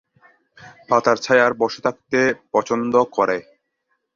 পাতার ছায়ার বসে থাকতে পছন্দ করে।